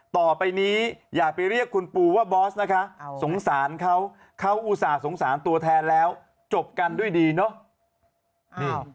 ต่อไปนี้อย่าไปเรียกคุณปูว่าบอสนะคะสงสารเขาเขาอุตส่าห์สงสารตัวแทนแล้วจบกันด้วยดีเนอะ